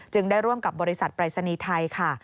ได้ร่วมกับบริษัทปรายศนีย์ไทยค่ะ